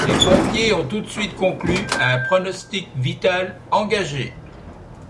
Les pompiers ont tout de suite conclu à un pronostic vital engagé.